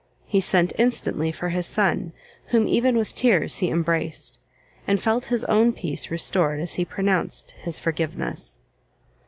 He sent instantly for his son, whom even with tears he embraced, and felt his own peace restored as he pronounced his forgiveness.